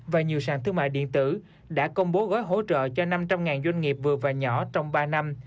và nhiều sàn thương mại điện tử đã công bố gói hỗ trợ cho năm trăm linh doanh nghiệp vừa và nhỏ trong ba năm